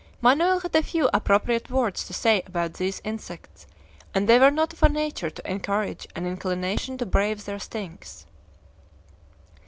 Manoel had a few appropriate words to say about these insects, and they were not of a nature to encourage an inclination to brave their stings.